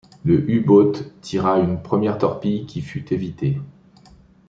Le U-boot tira une première torpille qui fut évité.